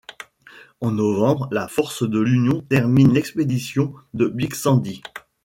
En novembre, la force de l'Union termine l'expédition de Big Sandy.